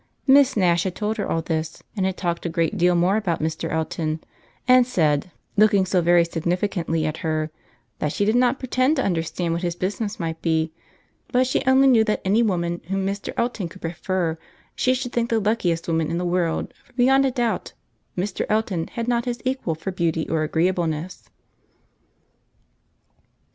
Miss Nash had told her all this, and had talked a great deal more about Mr. Elton; and said, looking so very significantly at her, "that she did not pretend to understand what his business might be, but she only knew that any woman whom Mr. Elton could prefer, she should think the luckiest woman in the world; for, beyond a doubt, Mr. Elton had not his equal for beauty or agreeableness."